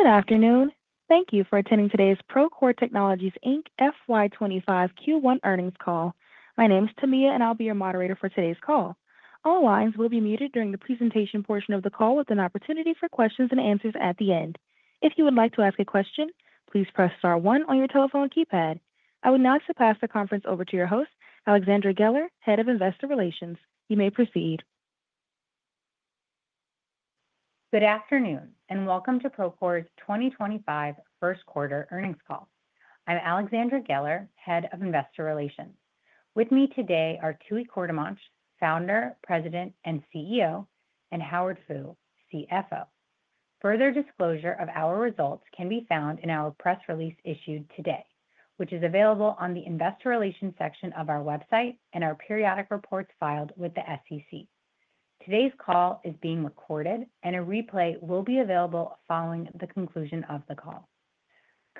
Good afternoon. Thank you for attending today's Procore Technologies Inc FY25 Q1 Earnings Call. My name is Tamia, and I'll be your moderator for today's call. All lines will be muted during the presentation portion of the call with an opportunity for questions and answers at the end. If you would like to ask a question, please press star one on your telephone keypad. I will now pass the conference over to your host, Alexandra Geller, Head of Investor Relations. You may proceed. Good afternoon and Welcome to Procore's 2025 First Quarter Earnings Call. I'm Alexandra Geller, Head of Investor Relations. With me today are Tooey Courtemanche, Founder, President, and CEO, and Howard Fu, CFO. Further disclosure of our results can be found in our press release issued today, which is available on the investor relations section of our website and our periodic reports filed with the SEC. Today's call is being recorded, and a replay will be available following the conclusion of the call.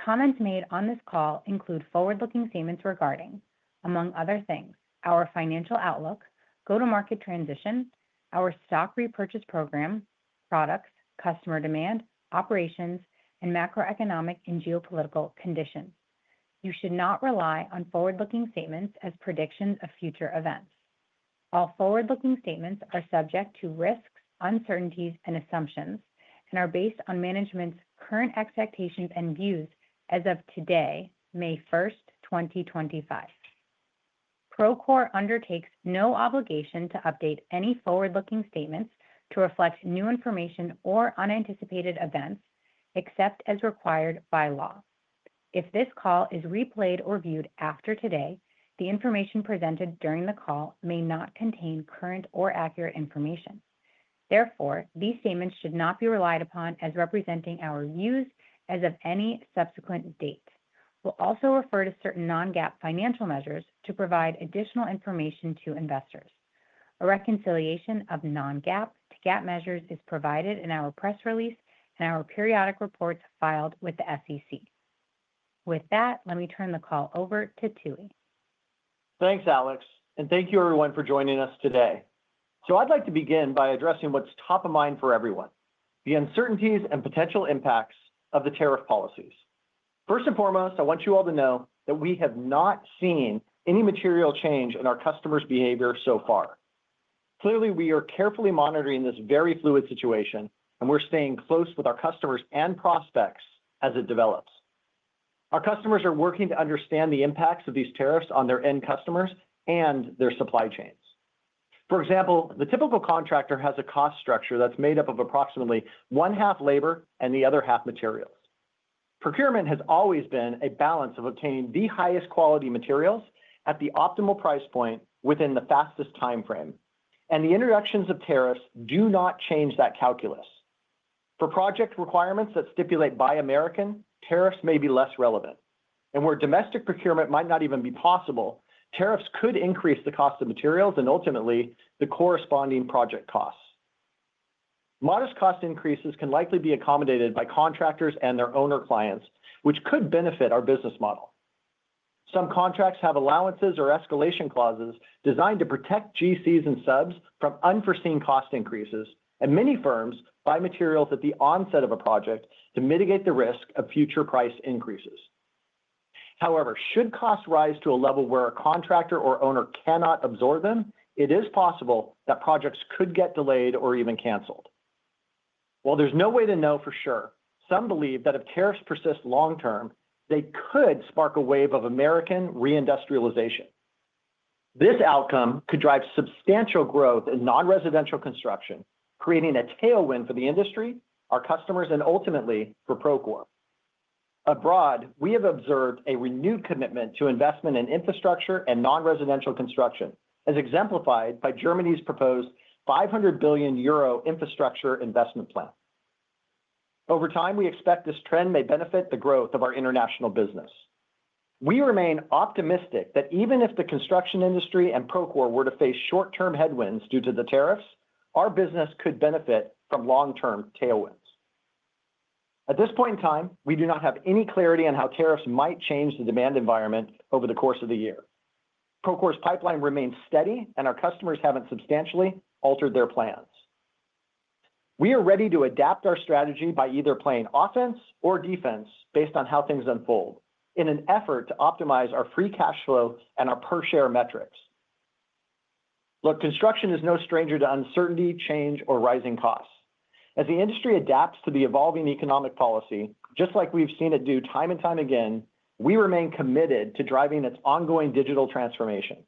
Comments made on this call include forward-looking statements regarding, among other things, our financial outlook, go-to-market transition, our stock repurchase program, products, customer demand, operations, and macroeconomic and geopolitical conditions. You should not rely on forward-looking statements as predictions of future events. All forward-looking statements are subject to risks, uncertainties, and assumptions, and are based on management's current expectations and views as of today, May 1st, 2025. Procore undertakes no obligation to update any forward-looking statements to reflect new information or unanticipated events, except as required by law. If this call is replayed or viewed after today, the information presented during the call may not contain current or accurate information. Therefore, these statements should not be relied upon as representing our views as of any subsequent date. We will also refer to certain non-GAAP financial measures to provide additional information to investors. A reconciliation of non-GAAP to GAAP measures is provided in our press release and our periodic reports filed with the SEC. With that, let me turn the call over to Tooey. Thanks, Alex, and thank you everyone for joining us today. I'd like to begin by addressing what's top of mind for everyone: the uncertainties and potential impacts of the tariff policies. First and foremost, I want you all to know that we have not seen any material change in our customers' behavior so far. Clearly, we are carefully monitoring this very fluid situation, and we're staying close with our customers and prospects as it develops. Our customers are working to understand the impacts of these tariffs on their end customers and their supply chains. For example, the typical contractor has a cost structure that's made up of approximately one half labor and the other half materials. Procurement has always been a balance of obtaining the highest quality materials at the optimal price point within the fastest time frame, and the introductions of tariffs do not change that calculus. For project requirements that stipulate by American, tariffs may be less relevant. Where domestic procurement might not even be possible, tariffs could increase the cost of materials and ultimately the corresponding project costs. Modest cost increases can likely be accommodated by contractors and their owner clients, which could benefit our business model. Some contracts have allowances or escalation clauses designed to protect GCs and subs from unforeseen cost increases, and many firms buy materials at the onset of a project to mitigate the risk of future price increases. However, should costs rise to a level where a contractor or owner cannot absorb them, it is possible that projects could get delayed or even canceled. While there's no way to know for sure, some believe that if tariffs persist long term, they could spark a wave of American reindustrialization. This outcome could drive substantial growth in non-residential construction, creating a tailwind for the industry, our customers, and ultimately for Procore. Abroad, we have observed a renewed commitment to investment in infrastructure and non-residential construction, as exemplified by Germany's proposed 500 billion euro infrastructure investment plan. Over time, we expect this trend may benefit the growth of our international business. We remain optimistic that even if the construction industry and Procore were to face short-term headwinds due to the tariffs, our business could benefit from long-term tailwinds. At this point in time, we do not have any clarity on how tariffs might change the demand environment over the course of the year. Procore's pipeline remains steady, and our customers haven't substantially altered their plans. We are ready to adapt our strategy by either playing offense or defense based on how things unfold in an effort to optimize our free cash flow and our per-share metrics. Look, construction is no stranger to uncertainty, change, or rising costs. As the industry adapts to the evolving economic policy, just like we've seen it do time and time again, we remain committed to driving its ongoing digital transformation.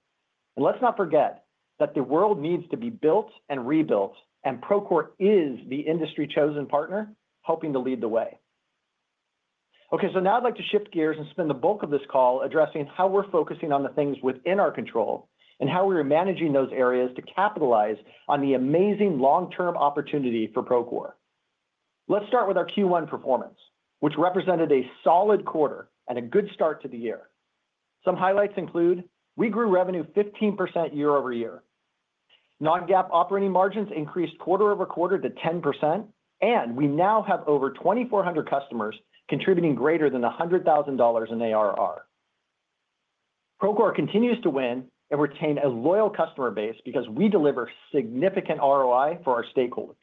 Let's not forget that the world needs to be built and rebuilt, and Procore is the industry-chosen partner hoping to lead the way. Okay, now I'd like to shift gears and spend the bulk of this call addressing how we're focusing on the things within our control and how we're managing those areas to capitalize on the amazing long-term opportunity for Procore. Let's start with our Q1 performance, which represented a solid quarter and a good start to the year. Some highlights include we grew revenue 15% year-over-year. Non-GAAP operating margins increased quarter-over-quarter to 10%, and we now have over 2,400 customers contributing greater than $100,000 in ARR. Procore continues to win and retain a loyal customer base because we deliver significant ROI for our stakeholders.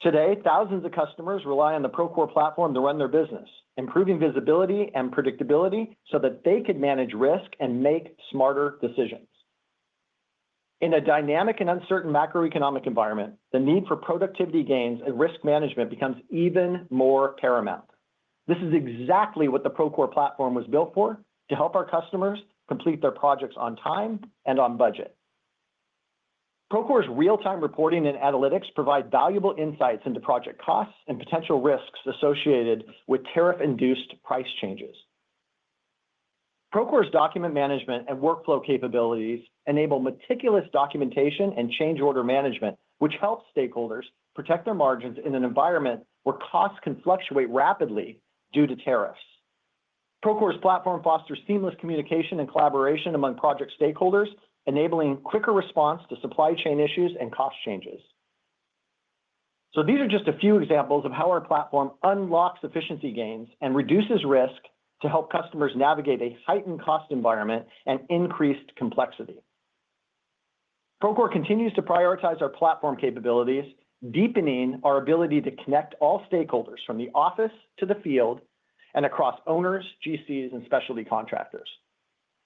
Today, thousands of customers rely on the Procore platform to run their business, improving visibility and predictability so that they can manage risk and make smarter decisions. In a dynamic and uncertain macroeconomic environment, the need for productivity gains and risk management becomes even more paramount. This is exactly what the Procore platform was built for: to help our customers complete their projects on time and on budget. Procore's real-time reporting and analytics provide valuable insights into project costs and potential risks associated with tariff-induced price changes. Procore's document management and workflow capabilities enable meticulous documentation and change order management, which helps stakeholders protect their margins in an environment where costs can fluctuate rapidly due to tariffs. Procore's platform fosters seamless communication and collaboration among project stakeholders, enabling quicker response to supply chain issues and cost changes. These are just a few examples of how our platform unlocks efficiency gains and reduces risk to help customers navigate a heightened cost environment and increased complexity. Procore continues to prioritize our platform capabilities, deepening our ability to connect all stakeholders from the office to the field and across owners, GCs, and specialty contractors.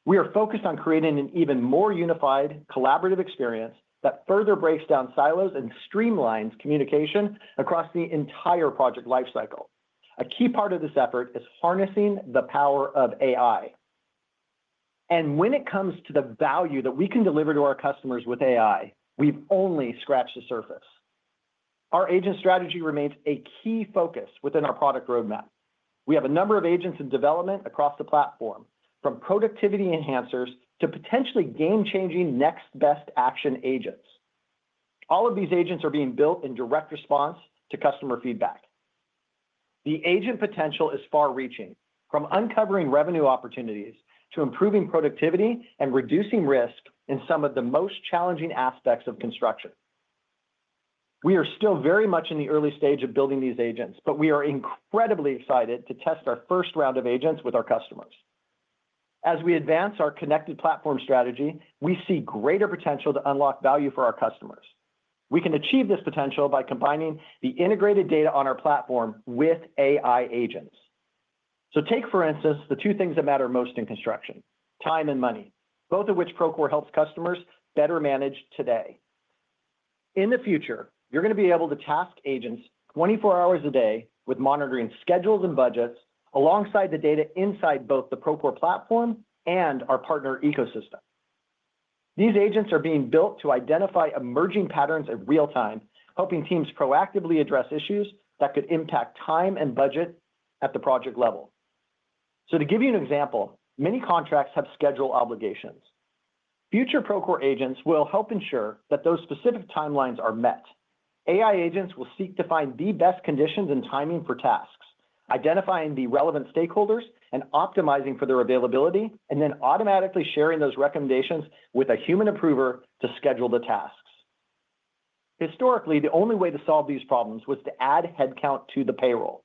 We are focused on creating an even more unified, collaborative experience that further breaks down silos and streamlines communication across the entire project lifecycle. A key part of this effort is harnessing the power of AI. When it comes to the value that we can deliver to our customers with AI, we've only scratched the surface. Our agent strategy remains a key focus within our product roadmap. We have a number of agents in development across the platform, from productivity enhancers to potentially game-changing next best action agents. All of these agents are being built in direct response to customer feedback. The agent potential is far-reaching, from uncovering revenue opportunities to improving productivity and reducing risk in some of the most challenging aspects of construction. We are still very much in the early stage of building these agents, but we are incredibly excited to test our first round of agents with our customers. As we advance our connected platform strategy, we see greater potential to unlock value for our customers. We can achieve this potential by combining the integrated data on our platform with AI agents. Take, for instance, the two things that matter most in construction: time and money, both of which Procore helps customers better manage today. In the future, you're going to be able to task agents 24 hours a day with monitoring schedules and budgets alongside the data inside both the Procore platform and our partner ecosystem. These agents are being built to identify emerging patterns in real time, helping teams proactively address issues that could impact time and budget at the project level. To give you an example, many contracts have schedule obligations. Future Procore agents will help ensure that those specific timelines are met. AI agents will seek to find the best conditions and timing for tasks, identifying the relevant stakeholders and optimizing for their availability, and then automatically sharing those recommendations with a human approver to schedule the tasks. Historically, the only way to solve these problems was to add headcount to the payroll.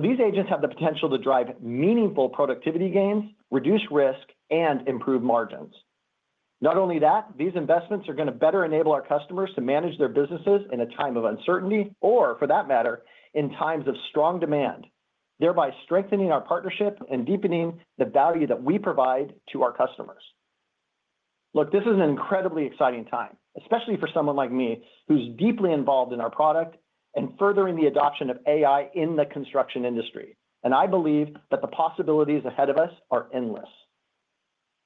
These agents have the potential to drive meaningful productivity gains, reduce risk, and improve margins. Not only that, these investments are going to better enable our customers to manage their businesses in a time of uncertainty or, for that matter, in times of strong demand, thereby strengthening our partnership and deepening the value that we provide to our customers. Look, this is an incredibly exciting time, especially for someone like me who's deeply involved in our product and furthering the adoption of AI in the construction industry. I believe that the possibilities ahead of us are endless.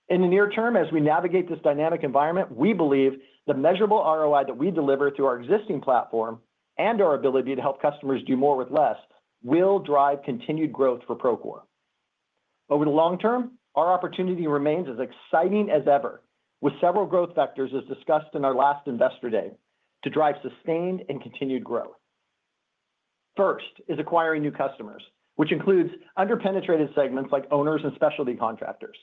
In the near term, as we navigate this dynamic environment, we believe the measurable ROI that we deliver through our existing platform and our ability to help customers do more with less will drive continued growth for Procore. Over the long term, our opportunity remains as exciting as ever, with several growth factors as discussed in our last investor day to drive sustained and continued growth. First is acquiring new customers, which includes under-penetrated segments like owners and specialty contractors.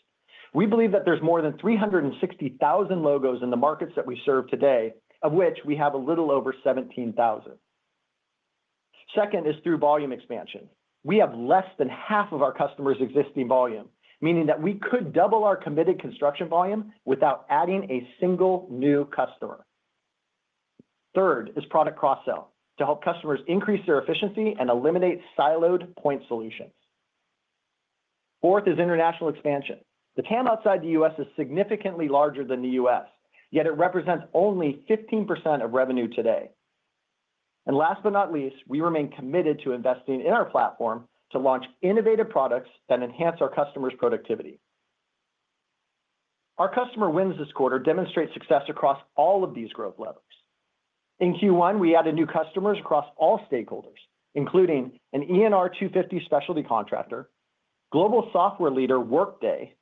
We believe that there's more than 360,000 logos in the markets that we serve today, of which we have a little over 17,000. Second is through volume expansion. We have less than half of our customers' existing volume, meaning that we could double our committed construction volume without adding a single new customer. Third is product cross-sell to help customers increase their efficiency and eliminate siloed point solutions. Fourth is international expansion. The TAM outside the U.S. is significantly larger than the U.S., yet it represents only 15% of revenue today. Last but not least, we remain committed to investing in our platform to launch innovative products that enhance our customers' productivity. Our customer wins this quarter demonstrate success across all of these growth levels. In Q1, we added new customers across all stakeholders, including an ENR 250 specialty contractor, global software leader Workday,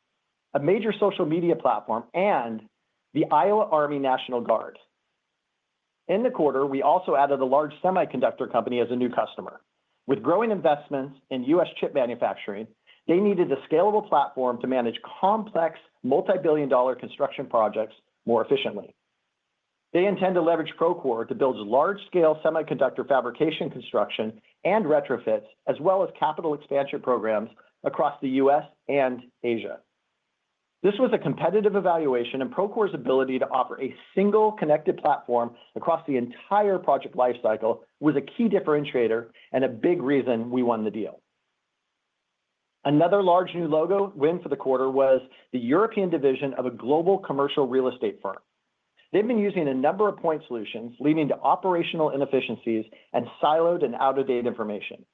a major social media platform, and the Iowa Army National Guard. In the quarter, we also added a large semiconductor company as a new customer. With growing investments in U.S. chip manufacturing, they needed a scalable platform to manage complex multi-billion dollar construction projects more efficiently. They intend to leverage Procore to build large-scale semiconductor fabrication construction and retrofits, as well as capital expansion programs across the U.S. and Asia. This was a competitive evaluation, and Procore's ability to offer a single connected platform across the entire project lifecycle was a key differentiator and a big reason we won the deal. Another large new logo win for the quarter was the European division of a global commercial real estate firm. They've been using a number of point solutions, leading to operational inefficiencies and siloed and out-of-date information.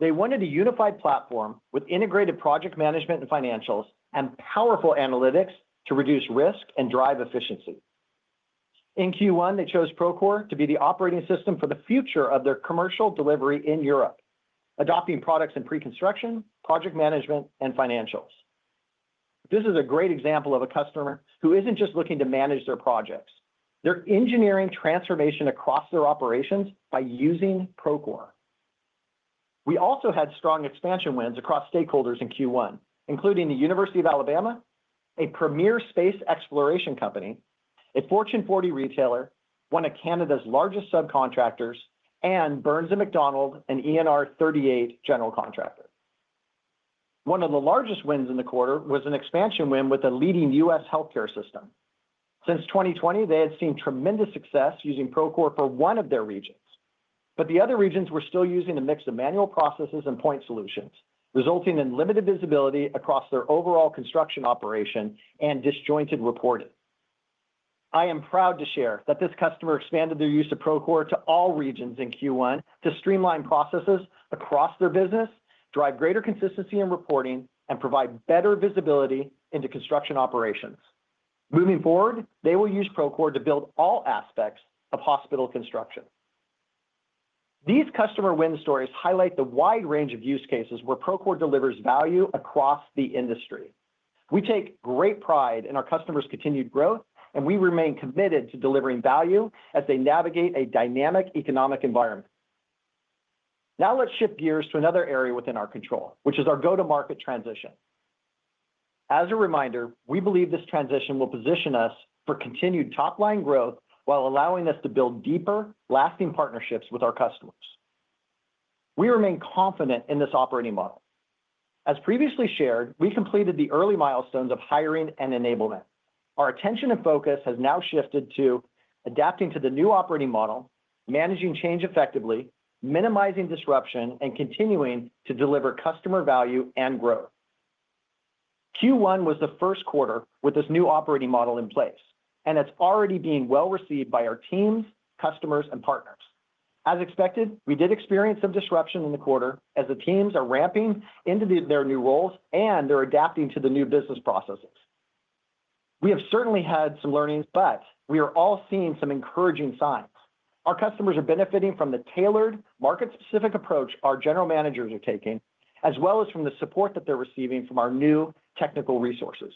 They wanted a unified platform with integrated project management and financials and powerful analytics to reduce risk and drive efficiency. In Q1, they chose Procore to be the operating system for the future of their commercial delivery in Europe, adopting products in pre-construction, project management, and financials. This is a great example of a customer who isn't just looking to manage their projects. They're engineering transformation across their operations by using Procore. We also had strong expansion wins across stakeholders in Q1, including the University of Alabama, a premier space exploration company, a Fortune 40 retailer, one of Canada's largest subcontractors, and Burns & McDonnell, an ENR 38 general contractor. One of the largest wins in the quarter was an expansion win with a leading U.S. healthcare system. Since 2020, they had seen tremendous success using Procore for one of their regions. The other regions were still using a mix of manual processes and point solutions, resulting in limited visibility across their overall construction operation and disjointed reporting. I am proud to share that this customer expanded their use of Procore to all regions in Q1 to streamline processes across their business, drive greater consistency in reporting, and provide better visibility into construction operations. Moving forward, they will use Procore to build all aspects of hospital construction. These customer win stories highlight the wide range of use cases where Procore delivers value across the industry. We take great pride in our customers' continued growth, and we remain committed to delivering value as they navigate a dynamic economic environment. Now let's shift gears to another area within our control, which is our go-to-market transition. As a reminder, we believe this transition will position us for continued top-line growth while allowing us to build deeper, lasting partnerships with our customers. We remain confident in this operating model. As previously shared, we completed the early milestones of hiring and enablement. Our attention and focus has now shifted to adapting to the new operating model, managing change effectively, minimizing disruption, and continuing to deliver customer value and growth. Q1 was the first quarter with this new operating model in place, and it's already being well-received by our teams, customers, and partners. As expected, we did experience some disruption in the quarter as the teams are ramping into their new roles and they're adapting to the new business processes. We have certainly had some learnings, but we are all seeing some encouraging signs. Our customers are benefiting from the tailored, market-specific approach our general managers are taking, as well as from the support that they're receiving from our new technical resources.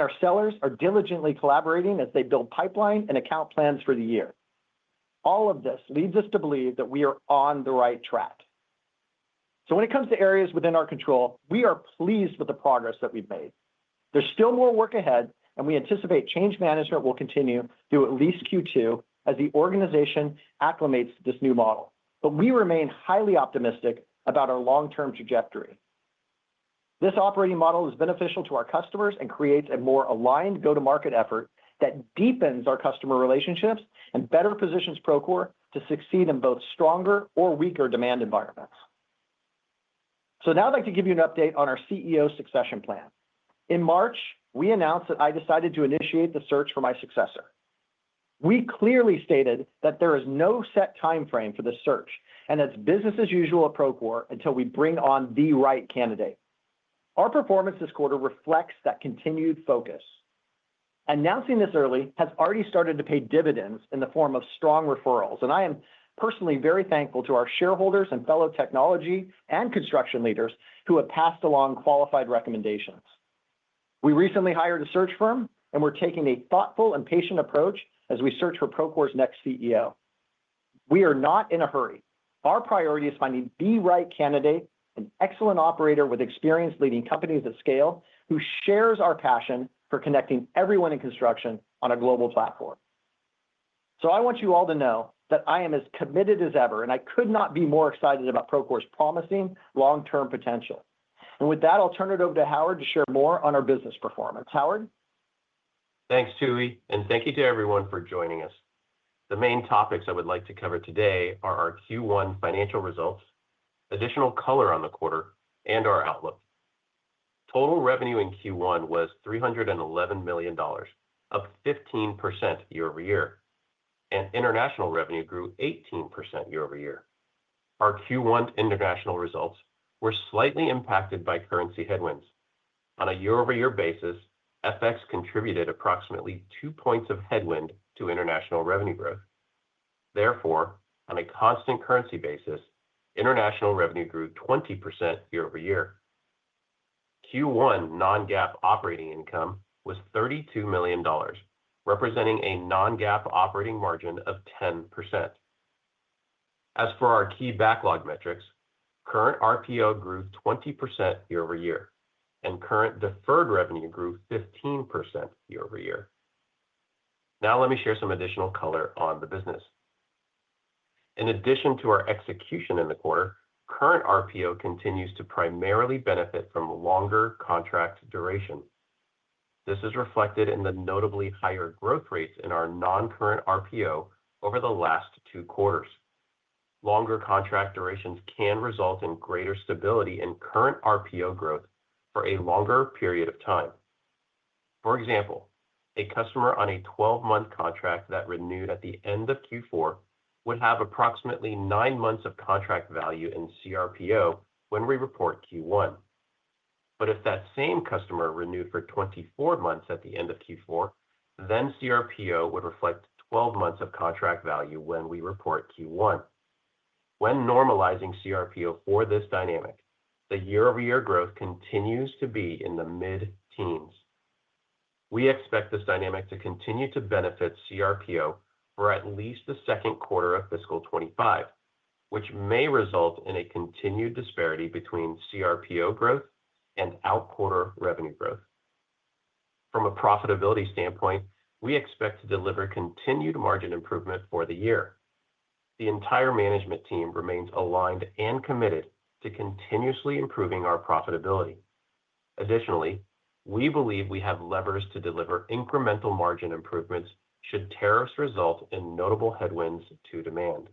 Our sellers are diligently collaborating as they build pipeline and account plans for the year. All of this leads us to believe that we are on the right track. When it comes to areas within our control, we are pleased with the progress that we've made. There's still more work ahead, and we anticipate change management will continue through at least Q2 as the organization acclimates to this new model. We remain highly optimistic about our long-term trajectory. This operating model is beneficial to our customers and creates a more aligned go-to-market effort that deepens our customer relationships and better positions Procore to succeed in both stronger or weaker demand environments. I would like to give you an update on our CEO succession plan. In March, we announced that I decided to initiate the search for my successor. We clearly stated that there is no set timeframe for this search and that it's business as usual at Procore until we bring on the right candidate. Our performance this quarter reflects that continued focus. Announcing this early has already started to pay dividends in the form of strong referrals. I am personally very thankful to our shareholders and fellow technology and construction leaders who have passed along qualified recommendations. We recently hired a search firm, and we're taking a thoughtful and patient approach as we search for Procore's next CEO. We are not in a hurry. Our priority is finding the right candidate, an excellent operator with experience leading companies at scale who shares our passion for connecting everyone in construction on a global platform. I want you all to know that I am as committed as ever, and I could not be more excited about Procore's promising long-term potential. With that, I'll turn it over to Howard to share more on our business performance. Howard? Thanks, Tooey, and thank you to everyone for joining us. The main topics I would like to cover today are our Q1 financial results, additional color on the quarter, and our outlook. Total revenue in Q1 was $311 million, up 15% year-over-year, and international revenue grew 18% year-over-year. Our Q1 international results were slightly impacted by currency headwinds. On a year-over-year basis, FX contributed approximately two points of headwind to international revenue growth. Therefore, on a constant currency basis, international revenue grew 20% year-over-year. Q1 non-GAAP operating income was $32 million, representing a non-GAAP operating margin of 10%. As for our key backlog metrics, current RPO grew 20% year-over-year, and current deferred revenue grew 15% year-over-year. Now let me share some additional color on the business. In addition to our execution in the quarter, current RPO continues to primarily benefit from longer contract duration. This is reflected in the notably higher growth rates in our non-current RPO over the last two quarters. Longer contract durations can result in greater stability in current RPO growth for a longer period of time. For example, a customer on a 12-month contract that renewed at the end of Q4 would have approximately nine months of contract value in CRPO when we report Q1. If that same customer renewed for 24 months at the end of Q4, then CRPO would reflect 12 months of contract value when we report Q1. When normalizing CRPO for this dynamic, the year-over-year growth continues to be in the mid-teens. We expect this dynamic to continue to benefit CRPO for at least the second quarter of fiscal 2025, which may result in a continued disparity between CRPO growth and out-quarter revenue growth. From a profitability standpoint, we expect to deliver continued margin improvement for the year. The entire management team remains aligned and committed to continuously improving our profitability. Additionally, we believe we have levers to deliver incremental margin improvements should tariffs result in notable headwinds to demand.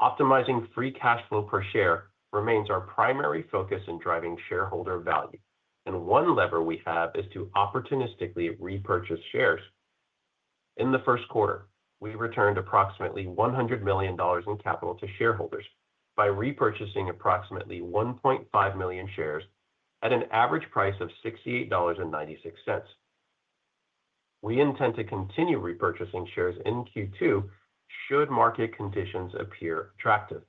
Optimizing free cash flow per share remains our primary focus in driving shareholder value. One lever we have is to opportunistically repurchase shares. In the first quarter, we returned approximately $100 million in capital to shareholders by repurchasing approximately 1.5 million shares at an average price of $68.96. We intend to continue repurchasing shares in Q2 should market conditions appear attractive.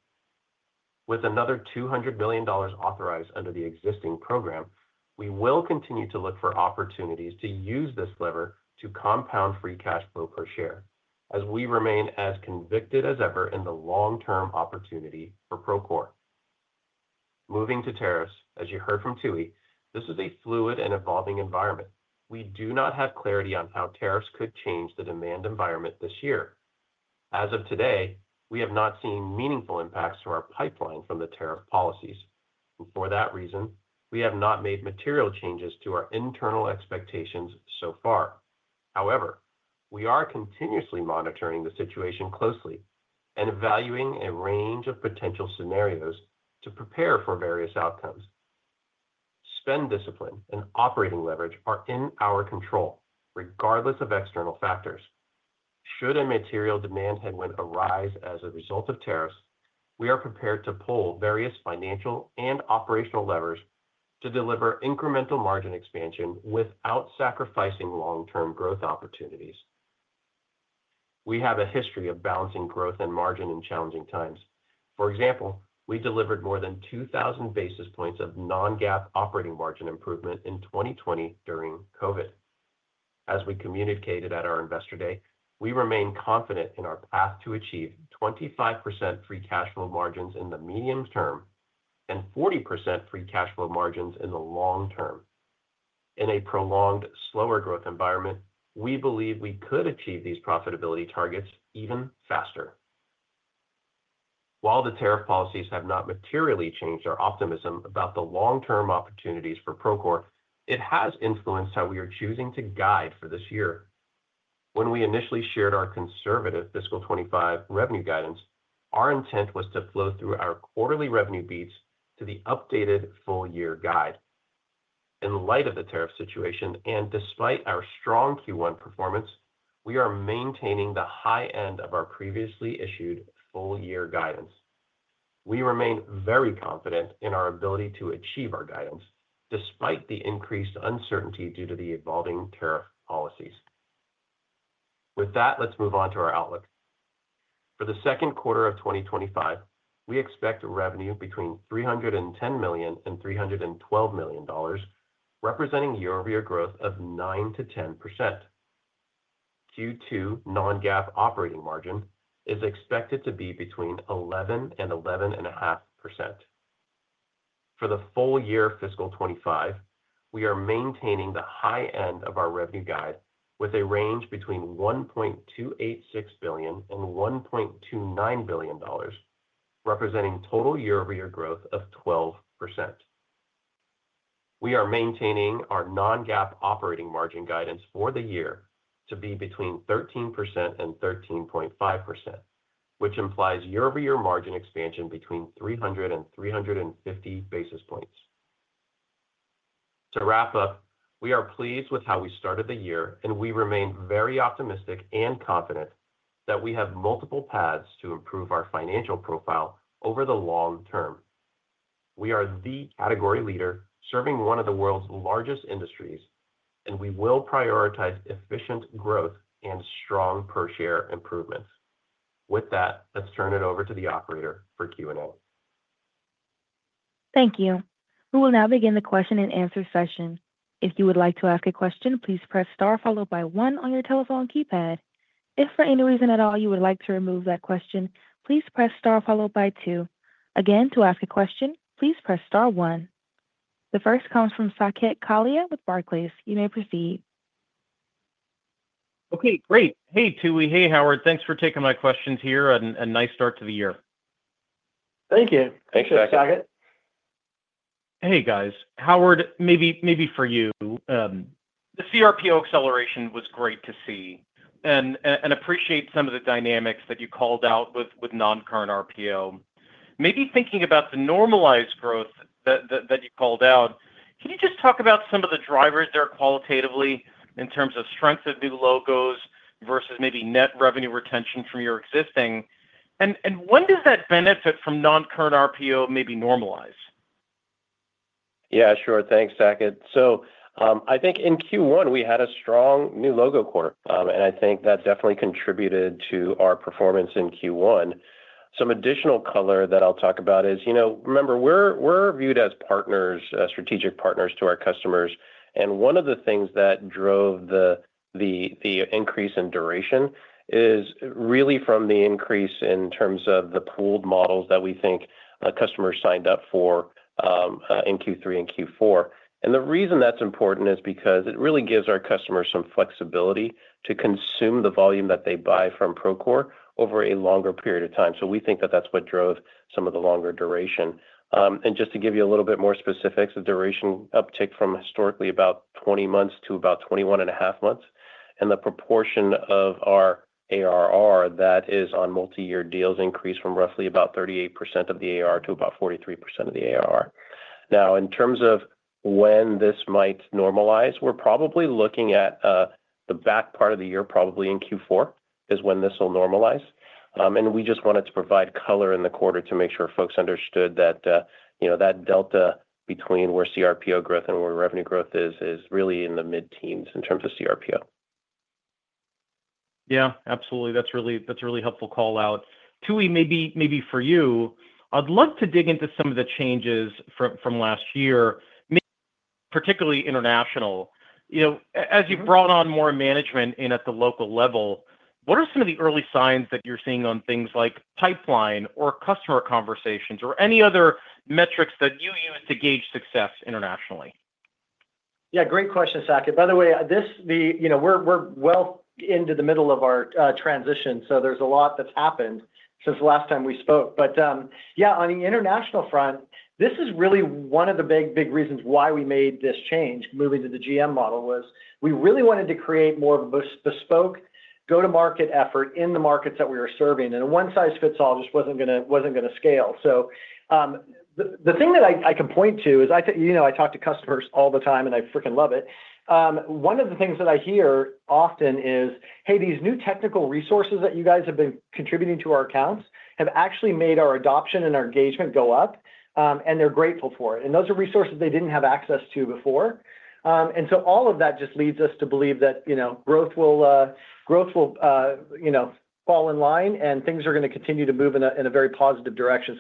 With another $200 million authorized under the existing program, we will continue to look for opportunities to use this lever to compound free cash flow per share as we remain as convicted as ever in the long-term opportunity for Procore. Moving to tariffs, as you heard from Tooey, this is a fluid and evolving environment. We do not have clarity on how tariffs could change the demand environment this year. As of today, we have not seen meaningful impacts to our pipeline from the tariff policies. For that reason, we have not made material changes to our internal expectations so far. However, we are continuously monitoring the situation closely and evaluating a range of potential scenarios to prepare for various outcomes. Spend discipline and operating leverage are in our control, regardless of external factors. Should a material demand headwind arise as a result of tariffs, we are prepared to pull various financial and operational levers to deliver incremental margin expansion without sacrificing long-term growth opportunities. We have a history of balancing growth and margin in challenging times. For example, we delivered more than 2,000 basis points of non-GAAP operating margin improvement in 2020 during COVID. As we communicated at our investor day, we remain confident in our path to achieve 25% free cash flow margins in the medium term and 40% free cash flow margins in the long term. In a prolonged, slower growth environment, we believe we could achieve these profitability targets even faster. While the tariff policies have not materially changed our optimism about the long-term opportunities for Procore, it has influenced how we are choosing to guide for this year. When we initially shared our conservative fiscal 2025 revenue guidance, our intent was to flow through our quarterly revenue beats to the updated full-year guide. In light of the tariff situation and despite our strong Q1 performance, we are maintaining the high end of our previously issued full-year guidance. We remain very confident in our ability to achieve our guidance despite the increased uncertainty due to the evolving tariff policies. With that, let's move on to our outlook. For the second quarter of 2025, we expect revenue between $310 million and $312 million, representing year-over-year growth of 9%-10%. Q2 non-GAAP operating margin is expected to be between 11%-11.5%. For the full-year fiscal 2025, we are maintaining the high end of our revenue guide with a range between $1.286 billion and $1.29 billion, representing total year-over-year growth of 12%. We are maintaining our non-GAAP operating margin guidance for the year to be between 13%-13.5%, which implies year-over-year margin expansion between 300 and 350 basis points. To wrap up, we are pleased with how we started the year, and we remain very optimistic and confident that we have multiple paths to improve our financial profile over the long term. We are the category leader serving one of the world's largest industries, and we will prioritize efficient growth and strong per-share improvements. With that, let's turn it over to the operator for Q&A. Thank you. We will now begin the question and answer session. If you would like to ask a question, please press star followed by one on your telephone keypad. If for any reason at all you would like to remove that question, please press star followed by two. Again, to ask a question, please press star one. The first comes from Saket Kalia with Barclays. You may proceed. Okay, great. Hey, Tooey. Hey, Howard. Thanks for taking my questions here and a nice start to the year. Thank you. Thanks, Saket. Hey, guys. Howard, maybe for you, the CRPO acceleration was great to see and appreciate some of the dynamics that you called out with non-current RPO. Maybe thinking about the normalized growth that you called out, can you just talk about some of the drivers there qualitatively in terms of strength of new logos versus maybe net revenue retention from your existing? When does that benefit from non-current RPO maybe normalize? Yeah, sure. Thanks, Saket. I think in Q1, we had a strong new logo quarter, and I think that definitely contributed to our performance in Q1. Some additional color that I'll talk about is, remember, we're viewed as partners, strategic partners to our customers. One of the things that drove the increase in duration is really from the increase in terms of the pooled models that we think customers signed up for in Q3 and Q4. The reason that's important is because it really gives our customers some flexibility to consume the volume that they buy from Procore over a longer period of time. We think that that's what drove some of the longer duration. Just to give you a little bit more specifics, the duration uptick from historically about 20 months to about 21.5 months. The proportion of our ARR that is on multi-year deals increased from roughly about 38% of the ARR to about 43% of the ARR. In terms of when this might normalize, we're probably looking at the back part of the year, probably in Q4, is when this will normalize. We just wanted to provide color in the quarter to make sure folks understood that the delta between where CRPO growth and where revenue growth is, is really in the mid-teens in terms of CRPO. Yeah, absolutely. That's a really helpful call out. Tooey, maybe for you, I'd love to dig into some of the changes from last year, particularly international. As you've brought on more management at the local level, what are some of the early signs that you're seeing on things like pipeline or customer conversations or any other metrics that you use to gauge success internationally? Yeah, great question, Saket. By the way, we're well into the middle of our transition, so there's a lot that's happened since the last time we spoke. Yeah, on the international front, this is really one of the big reasons why we made this change moving to the GM model was we really wanted to create more of a bespoke go-to-market effort in the markets that we were serving. A one-size-fits-all just wasn't going to scale. The thing that I can point to is I talk to customers all the time, and I freaking love it. One of the things that I hear often is, "Hey, these new technical resources that you guys have been contributing to our accounts have actually made our adoption and our engagement go up, and they're grateful for it." Those are resources they didn't have access to before. All of that just leads us to believe that growth will fall in line and things are going to continue to move in a very positive direction.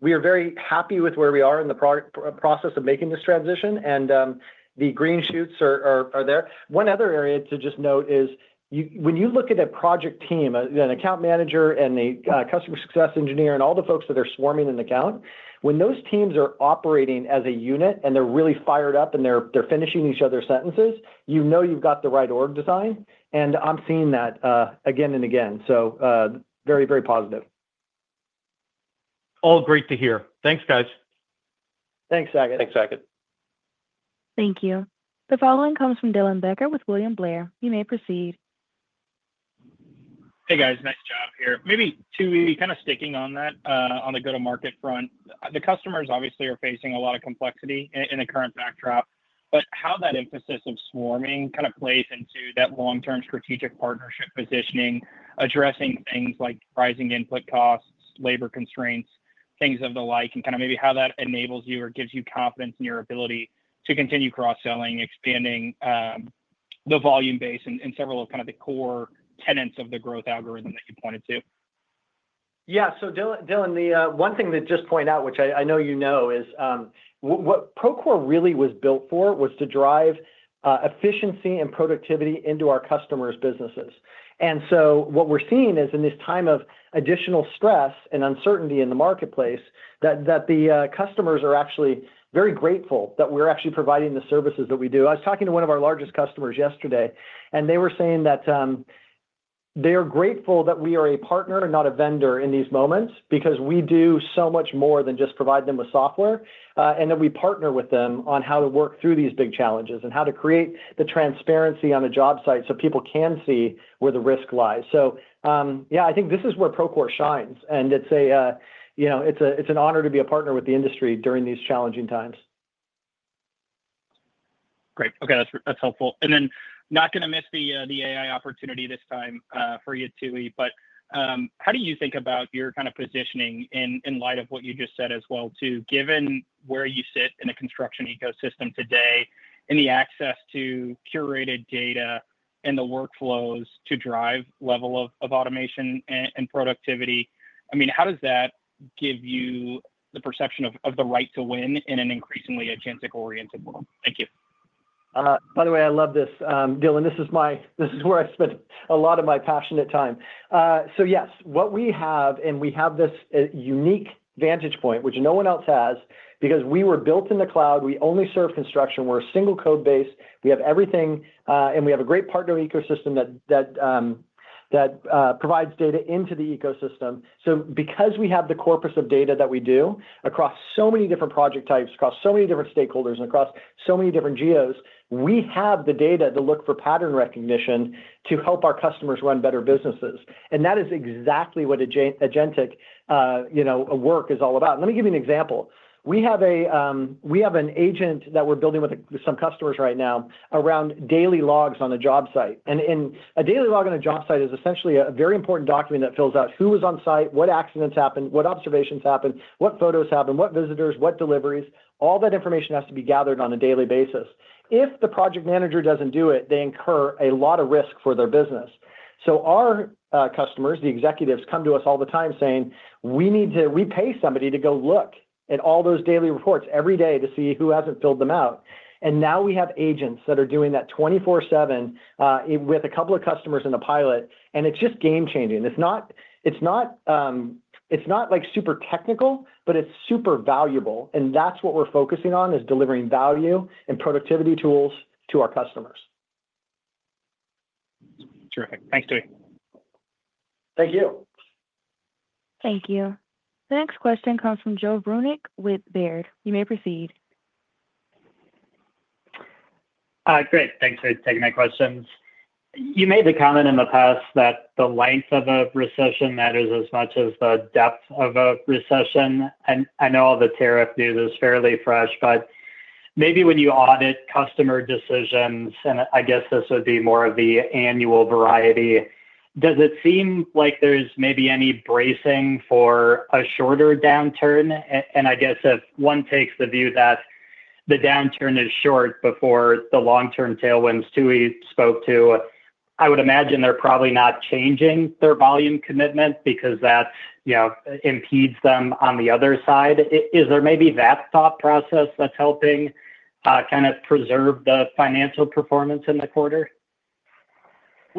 We are very happy with where we are in the process of making this transition, and the green shoots are there. One other area to just note is when you look at a project team, an account manager and a customer success engineer and all the folks that are swarming an account, when those teams are operating as a unit and they're really fired up and they're finishing each other's sentences, you know you've got the right org design. I'm seeing that again and again. Very, very positive. All great to hear. Thanks, guys. Thanks, Saket. Thanks, Saket. Thank you. The following comes from Dylan Becker with William Blair. You may proceed. Hey, guys. Nice job here. Maybe Tooey, kind of sticking on that on the go-to-market front. The customers obviously are facing a lot of complexity in the current backdrop. How that emphasis of swarming kind of plays into that long-term strategic partnership positioning, addressing things like rising input costs, labor constraints, things of the like, and kind of maybe how that enables you or gives you confidence in your ability to continue cross-selling, expanding the volume base and several of kind of the core tenets of the growth algorithm that you pointed to. Yeah. Dylan, the one thing to just point out, which I know you know, is what Procore really was built for was to drive efficiency and productivity into our customers' businesses. What we're seeing is in this time of additional stress and uncertainty in the marketplace that the customers are actually very grateful that we're actually providing the services that we do. I was talking to one of our largest customers yesterday, and they were saying that they are grateful that we are a partner, not a vendor, in these moments because we do so much more than just provide them with software and that we partner with them on how to work through these big challenges and how to create the transparency on a job site so people can see where the risk lies. Yeah, I think this is where Procore shines, and it's an honor to be a partner with the industry during these challenging times. Great. Okay. That's helpful. And then not going to miss the AI opportunity this time for you, Tooey. How do you think about your kind of positioning in light of what you just said as well, too, given where you sit in the construction ecosystem today, in the access to curated data and the workflows to drive level of automation and productivity? I mean, how does that give you the perception of the right to win in an increasingly agentic-oriented world? Thank you. By the way, I love this. Dylan, this is where I spent a lot of my passionate time. Yes, what we have, and we have this unique vantage point, which no one else has because we were built in the cloud. We only serve construction. We're a single code base. We have everything, and we have a great partner ecosystem that provides data into the ecosystem. Because we have the corpus of data that we do across so many different project types, across so many different stakeholders, and across so many different geos, we have the data to look for pattern recognition to help our customers run better businesses. That is exactly what agentic work is all about. Let me give you an example. We have an agent that we're building with some customers right now around daily logs on a job site. A daily log on a job site is essentially a very important document that fills out who was on site, what accidents happened, what observations happened, what photos happened, what visitors, what deliveries. All that information has to be gathered on a daily basis. If the project manager doesn't do it, they incur a lot of risk for their business. Our customers, the executives, come to us all the time saying, "We need to pay somebody to go look at all those daily reports every day to see who hasn't filled them out." Now we have agents that are doing that 24/7 with a couple of customers in a pilot, and it's just game-changing. It's not super technical, but it's super valuable. That's what we're focusing on, delivering value and productivity tools to our customers. Terrific. Thanks, Tooey. Thank you. Thank you. The next question comes from Joe Vruwink with Baird. You may proceed. Great. Thanks for taking my questions. You made the comment in the past that the length of a recession matters as much as the depth of a recession. I know all the tariff news is fairly fresh, but maybe when you audit customer decisions, and I guess this would be more of the annual variety, does it seem like there's maybe any bracing for a shorter downturn? I guess if one takes the view that the downturn is short before the long-term tailwinds Tooey spoke to, I would imagine they're probably not changing their volume commitment because that impedes them on the other side. Is there maybe that thought process that's helping kind of preserve the financial performance in the quarter?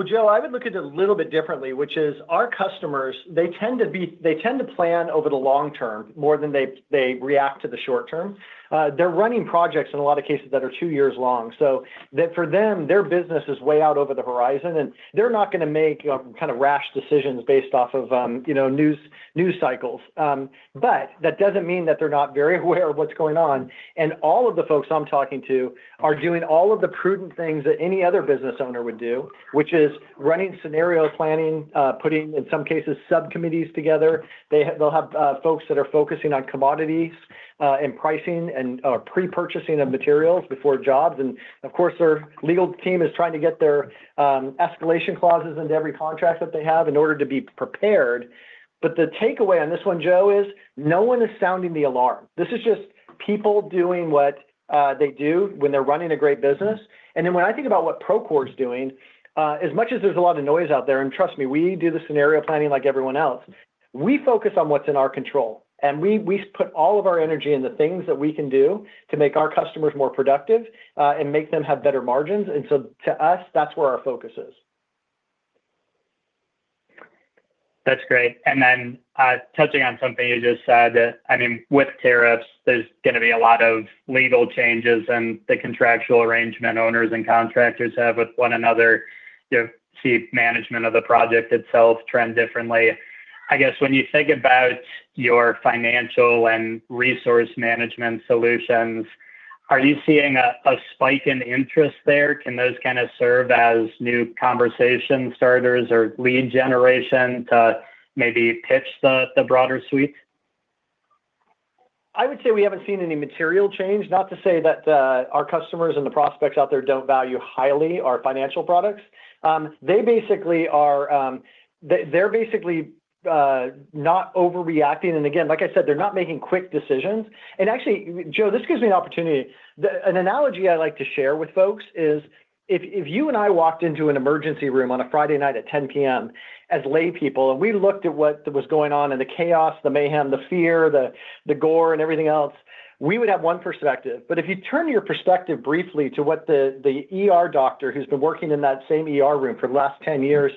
Joe, I would look at it a little bit differently, which is our customers, they tend to plan over the long term more than they react to the short term. They're running projects in a lot of cases that are two years long. For them, their business is way out over the horizon, and they're not going to make kind of rash decisions based off of news cycles. That does not mean that they're not very aware of what's going on. All of the folks I'm talking to are doing all of the prudent things that any other business owner would do, which is running scenario planning, putting, in some cases, subcommittees together. They'll have folks that are focusing on commodities and pricing and pre-purchasing of materials before jobs. Of course, their legal team is trying to get their escalation clauses into every contract that they have in order to be prepared. The takeaway on this one, Joe, is no one is sounding the alarm. This is just people doing what they do when they're running a great business. When I think about what Procore is doing, as much as there's a lot of noise out there, and trust me, we do the scenario planning like everyone else, we focus on what's in our control. We put all of our energy in the things that we can do to make our customers more productive and make them have better margins. To us, that's where our focus is. That's great. Touching on something you just said, I mean, with tariffs, there's going to be a lot of legal changes in the contractual arrangement owners and contractors have with one another. You see management of the project itself trend differently. I guess when you think about your financial and resource management solutions, are you seeing a spike in interest there? Can those kind of serve as new conversation starters or lead generation to maybe pitch the broader suite? I would say we haven't seen any material change. Not to say that our customers and the prospects out there don't value highly our financial products. They're basically not overreacting. Like I said, they're not making quick decisions. Actually, Joe, this gives me an opportunity. An analogy I like to share with folks is if you and I walked into an emergency room on a Friday night at 10:00 P.M. as laypeople, and we looked at what was going on and the chaos, the mayhem, the fear, the gore, and everything else, we would have one perspective. If you turn your perspective briefly to what the doctor who's been working in that same room for the last 10 years,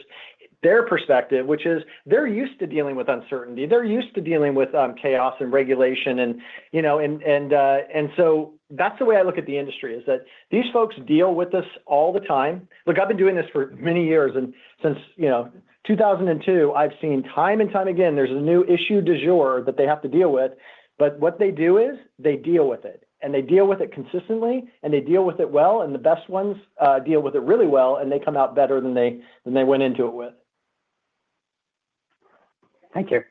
their perspective, which is they're used to dealing with uncertainty. They're used to dealing with chaos and regulation. That is the way I look at the industry, is that these folks deal with this all the time. Look, I've been doing this for many years. Since 2002, I've seen time and time again, there's a new issue du jour that they have to deal with. What they do is they deal with it. They deal with it consistently, and they deal with it well. The best ones deal with it really well, and they come out better than they went into it with. Thank you.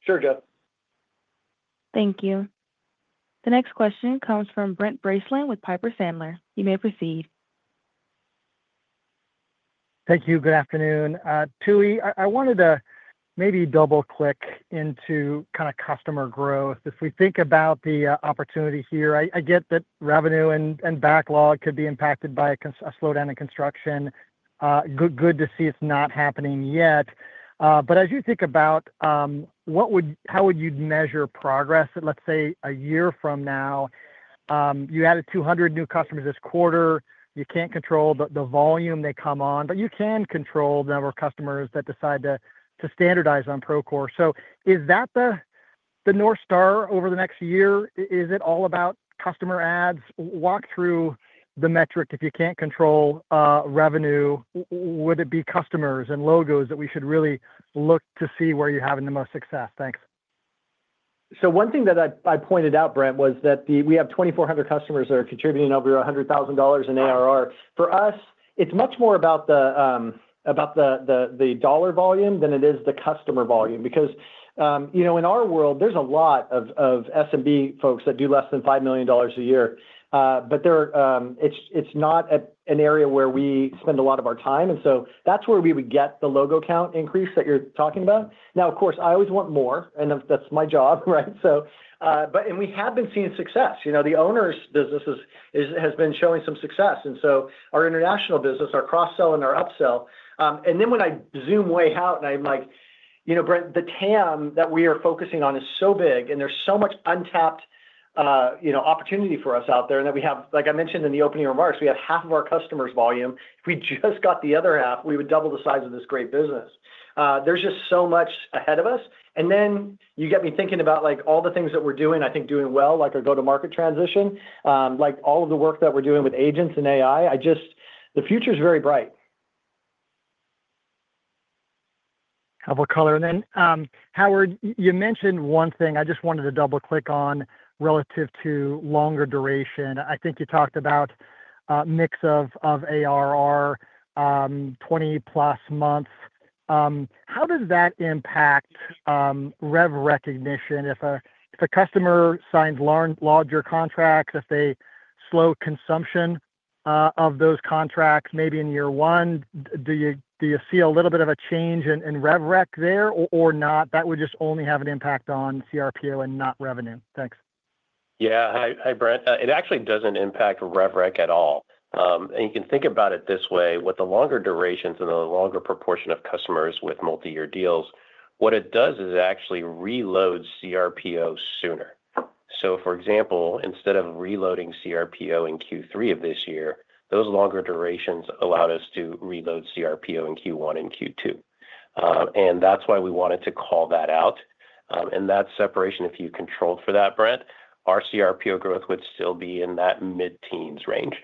Sure, Joe. Thank you. The next question comes from Brent Bracelin with Piper Sandler. You may proceed. Thank you. Good afternoon. Tooey, I wanted to maybe double-click into kind of customer growth. If we think about the opportunity here, I get that revenue and backlog could be impacted by a slowdown in construction. Good to see it's not happening yet. As you think about how would you measure progress that, let's say, a year from now, you added 200 new customers this quarter, you can't control the volume they come on, but you can control the number of customers that decide to standardize on Procore. Is that the North Star over the next year? Is it all about customer ads? Walk through the metric. If you can't control revenue, would it be customers and logos that we should really look to see where you're having the most success? Thanks. One thing that I pointed out, Brent, was that we have 2,400 customers that are contributing over $100,000 in ARR. For us, it's much more about the dollar volume than it is the customer volume. Because in our world, there's a lot of SMB folks that do less than $5 million a year. It's not an area where we spend a lot of our time. That's where we would get the logo count increase that you're talking about. Of course, I always want more, and that's my job, right? We have been seeing success. The owners' business has been showing some success. Our international business, our cross-sell and our upsell. When I zoom way out and I'm like, "Brent, the TAM that we are focusing on is so big, and there's so much untapped opportunity for us out there." Like I mentioned in the opening remarks, we have half of our customers' volume. If we just got the other half, we would double the size of this great business. There's just so much ahead of us. You get me thinking about all the things that we're doing, I think doing well, like our go-to-market transition, like all of the work that we're doing with agents and AI. The future is very bright. I will color in. Howard, you mentioned one thing I just wanted to double-click on relative to longer duration. I think you talked about a mix of ARR, 20-plus months. How does that impact rev recognition? If a customer signs larger contracts, if they slow consumption of those contracts maybe in year one, do you see a little bit of a change in rev rec there or not? That would just only have an impact on CRPO and not revenue. Thanks. Yeah. Hi, Brent. It actually doesn't impact rev rec at all. You can think about it this way. With the longer durations and the longer proportion of customers with multi-year deals, what it does is it actually reloads CRPO sooner. For example, instead of reloading CRPO in Q3 of this year, those longer durations allowed us to reload CRPO in Q1 and Q2. That is why we wanted to call that out. That separation, if you controlled for that, Brent, our CRPO growth would still be in that mid-teens range.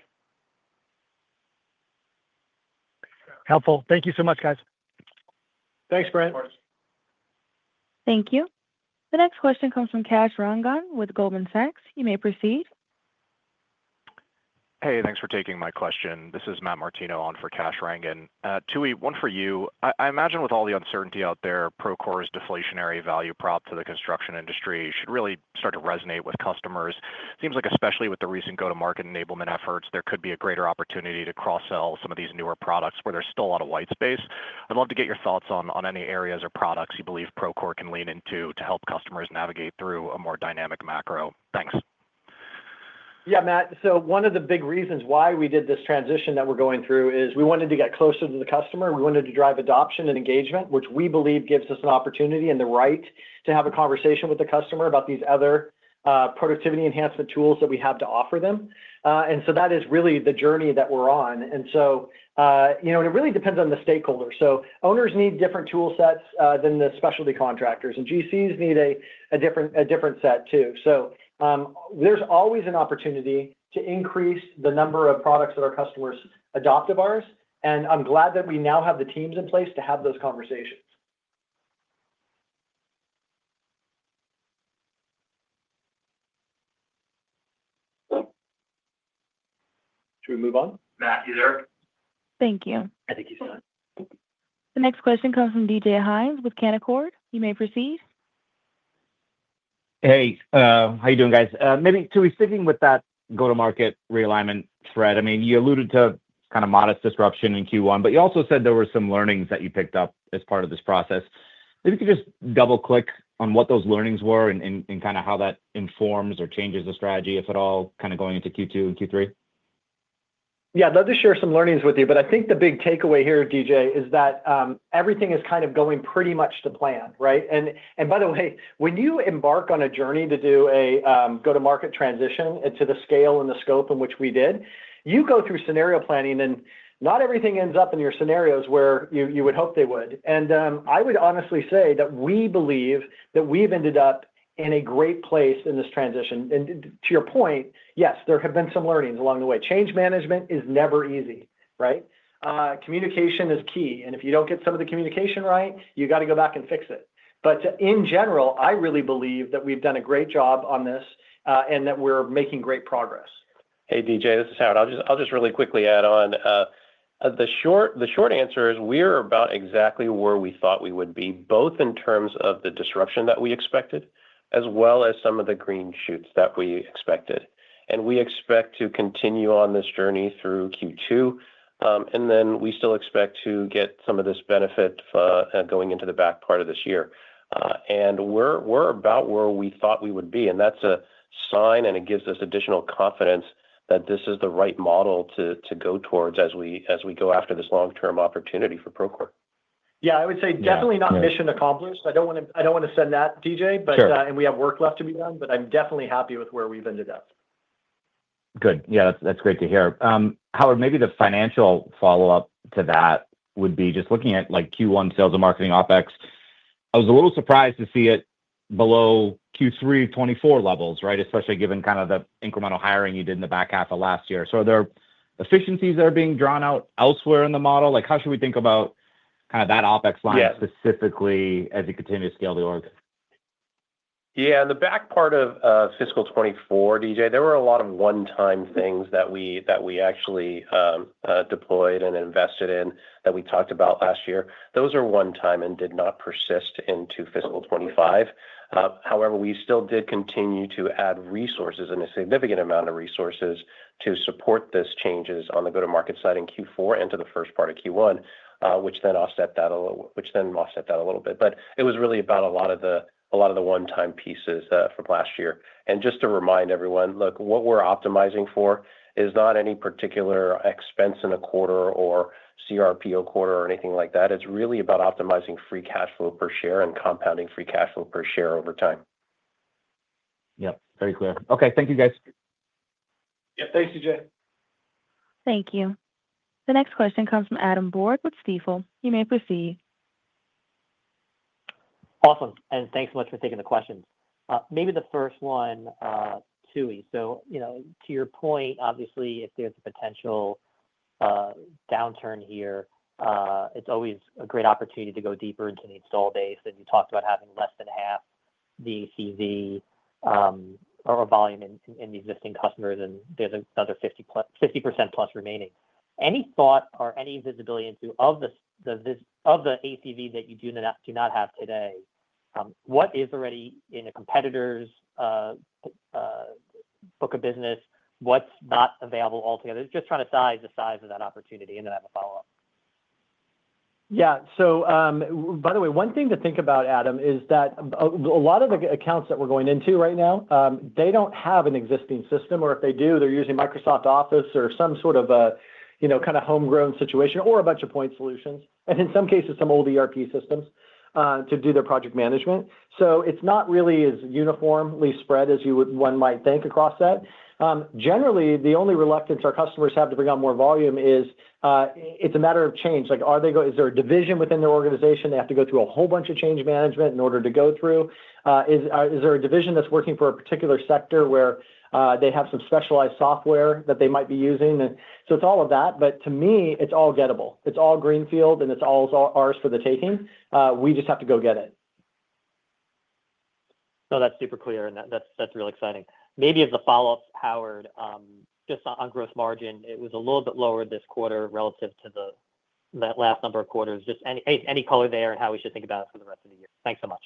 Helpful. Thank you so much, guys. Thanks, Brent. Thank you. The next question comes from Kash Rangan with Goldman Sachs. You may proceed. Hey, thanks for taking my question. This is Matt Martino, on for Kash Rangan. Tooey, one for you. I imagine with all the uncertainty out there, Procore's deflationary value prop to the construction industry should really start to resonate with customers. Seems like, especially with the recent go-to-market enablement efforts, there could be a greater opportunity to cross-sell some of these newer products where there's still a lot of white space. I'd love to get your thoughts on any areas or products you believe Procore can lean into to help customers navigate through a more dynamic macro. Thanks. Yeah, Matt. One of the big reasons why we did this transition that we're going through is we wanted to get closer to the customer. We wanted to drive adoption and engagement, which we believe gives us an opportunity and the right to have a conversation with the customer about these other productivity enhancement tools that we have to offer them. That is really the journey that we're on. It really depends on the stakeholder. Owners need different toolsets than the specialty contractors. GCs need a different set, too. There is always an opportunity to increase the number of products that our customers adopt of ours. I'm glad that we now have the teams in place to have those conversations. Should we move on? Matt, you there? Thank you. I think he's done. The next question comes from DJ Hynes with Canaccord. You may proceed. Hey, how are you doing, guys? Tooey, sticking with that go-to-market realignment thread, I mean, you alluded to kind of modest disruption in Q1, but you also said there were some learnings that you picked up as part of this process. If you could just double-click on what those learnings were and kind of how that informs or changes the strategy, if at all, kind of going into Q2 and Q3. Yeah, I'd love to share some learnings with you. I think the big takeaway here, DJ, is that everything is kind of going pretty much to plan, right? By the way, when you embark on a journey to do a go-to-market transition into the scale and the scope in which we did, you go through scenario planning, and not everything ends up in your scenarios where you would hope they would. I would honestly say that we believe that we've ended up in a great place in this transition. To your point, yes, there have been some learnings along the way. Change management is never easy, right? Communication is key. If you don't get some of the communication right, you got to go back and fix it. In general, I really believe that we've done a great job on this and that we're making great progress. Hey, DJ, this is Howard. I'll just really quickly add on. The short answer is we're about exactly where we thought we would be, both in terms of the disruption that we expected as well as some of the green shoots that we expected. We expect to continue on this journey through Q2. We still expect to get some of this benefit going into the back part of this year. We are about where we thought we would be. That is a sign, and it gives us additional confidence that this is the right model to go towards as we go after this long-term opportunity for Procore. I would say definitely not mission accomplished. I do not want to send that, DJ, and we have work left to be done, but I am definitely happy with where we have ended up. Good. That is great to hear. Howard, maybe the financial follow-up to that would be just looking at Q1 sales and marketing OpEx. I was a little surprised to see it below Q3 of 2024 levels, right? Especially given kind of the incremental hiring you did in the back half of last year. Are there efficiencies that are being drawn out elsewhere in the model? How should we think about kind of that OpEx line specifically as you continue to scale the org? Yeah. In the back part of fiscal 2024, DJ, there were a lot of one-time things that we actually deployed and invested in that we talked about last year. Those are one-time and did not persist into fiscal 2025. However, we still did continue to add resources and a significant amount of resources to support these changes on the go-to-market side in Q4 into the first part of Q1, which then offset that a little bit. It was really about a lot of the one-time pieces from last year. Just to remind everyone, look, what we're optimizing for is not any particular expense in a quarter or CRPO quarter or anything like that. It's really about optimizing free cash flow per share and compounding free cash flow per share over time. Yep. Very clear. Okay. Thank you, guys. Yep. Thanks, DJ. Thank you. The next question comes from Adam Borg with Stifel. You may proceed. Awesome. And thanks so much for taking the questions. Maybe the first one, Tooey. To your point, obviously, if there's a potential downturn here, it's always a great opportunity to go deeper into the install base. You talked about having less than half the ACV or volume in the existing customers, and there's another 50% plus remaining. Any thought or any visibility into of the ACV that you do not have today? What is already in a competitor's book of business? What's not available altogether? Just trying to size the size of that opportunity and then have a follow-up. Yeah. By the way, one thing to think about, Adam, is that a lot of the accounts that we're going into right now, they don't have an existing system. Or if they do, they're using Microsoft Office or some sort of a kind of homegrown situation or a bunch of point solutions, and in some cases, some old ERP systems to do their project management. It's not really as uniformly spread as you might think across that. Generally, the only reluctance our customers have to bring on more volume is it's a matter of change. Is there a division within their organization? They have to go through a whole bunch of change management in order to go through. Is there a division that's working for a particular sector where they have some specialized software that they might be using? It's all of that. To me, it's all gettable. It's all greenfield, and it's all ours for the taking. We just have to go get it. No, that's super clear, and that's real exciting. Maybe as a follow-up, Howard, just on gross margin, it was a little bit lower this quarter relative to that last number of quarters. Just any color there and how we should think about it for the rest of the year. Thanks so much.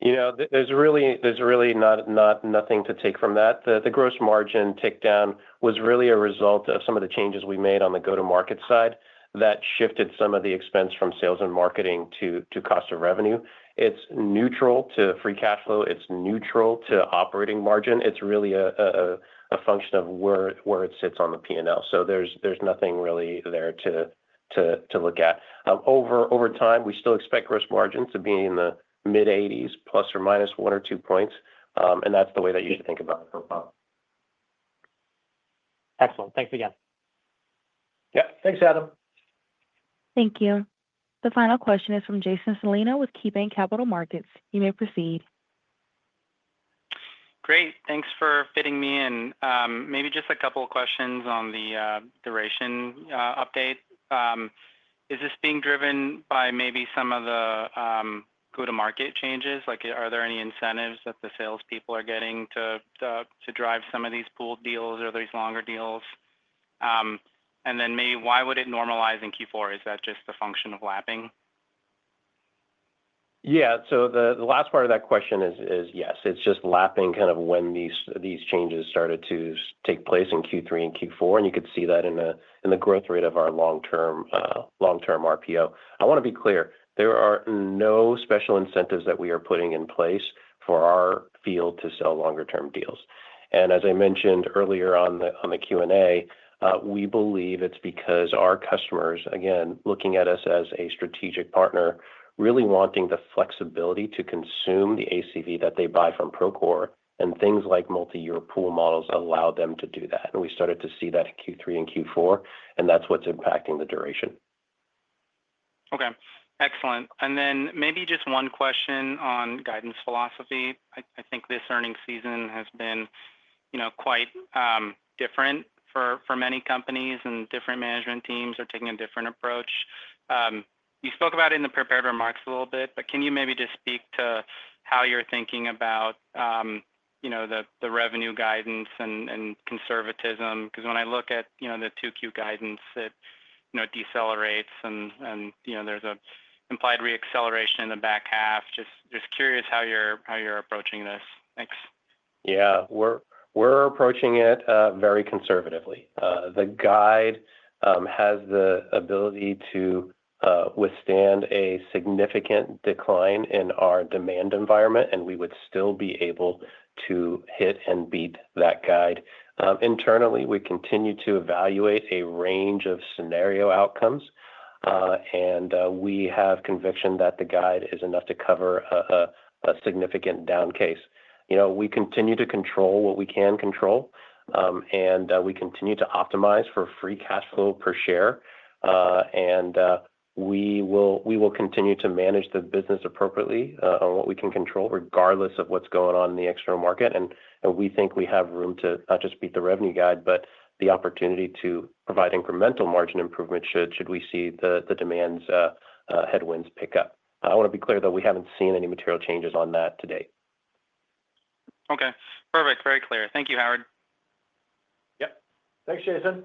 There's really nothing to take from that. The gross margin tick down was really a result of some of the changes we made on the go-to-market side that shifted some of the expense from sales and marketing to cost of revenue. It's neutral to free cash flow. It's neutral to operating margin. It's really a function of where it sits on the P&L. There's nothing really there to look at. Over time, we still expect gross margin to be in the mid-80s, plus or minus one or two points. That is the way that you should think about it for a while. Excellent. Thanks again. Yeah. Thanks, Adam. Thank you. The final question is from Jason Celino with KeyBanc Capital Markets. You may proceed. Great. Thanks for fitting me in. Maybe just a couple of questions on the duration update. Is this being driven by maybe some of the go-to-market changes? Are there any incentives that the salespeople are getting to drive some of these pooled deals or these longer deals? Maybe why would it normalize in Q4? Is that just a function of lapping? Yeah. The last part of that question is yes. It is just lapping kind of when these changes started to take place in Q3 and Q4. You could see that in the growth rate of our long-term RPO. I want to be clear. There are no special incentives that we are putting in place for our field to sell longer-term deals. As I mentioned earlier on the Q&A, we believe it's because our customers, again, looking at us as a strategic partner, really wanting the flexibility to consume the ACV that they buy from Procore and things like multi-year pool models allow them to do that. We started to see that in Q3 and Q4, and that's what's impacting the duration. Okay. Excellent. Maybe just one question on guidance philosophy. I think this earnings season has been quite different for many companies, and different management teams are taking a different approach. You spoke about it in the prepared remarks a little bit, but can you maybe just speak to how you're thinking about the revenue guidance and conservatism? Because when I look at the 2Q guidance, it decelerates, and there's an implied reacceleration in the back half. Just curious how you're approaching this. Thanks. Yeah. We're approaching it very conservatively. The guide has the ability to withstand a significant decline in our demand environment, and we would still be able to hit and beat that guide. Internally, we continue to evaluate a range of scenario outcomes, and we have conviction that the guide is enough to cover a significant down case. We continue to control what we can control, and we continue to optimize for free cash flow per share. We will continue to manage the business appropriately on what we can control, regardless of what's going on in the external market. We think we have room to not just beat the revenue guide, but the opportunity to provide incremental margin improvement should we see the demand's headwinds pick up. I want to be clear, though, we haven't seen any material changes on that today. Okay. Perfect. Very clear. Thank you, Howard. Yep. Thanks, Jason.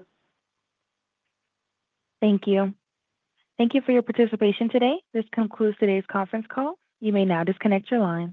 Thank you. Thank you for your participation today. This concludes today's conference call. You may now disconnect your line.